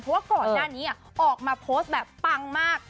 เพราะว่าก่อนหน้านี้ออกมาโพสต์แบบปังมาก